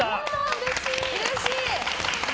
うれしい！